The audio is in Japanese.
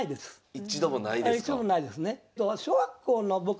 一度もないですね。